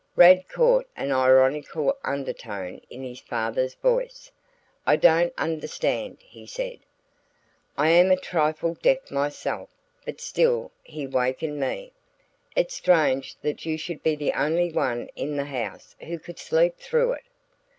Rad caught an ironical undertone in his father's voice. "I don't understand," he said. "I am a trifle deaf myself, but still he wakened me. It's strange that you should be the only one in the house who could sleep through it."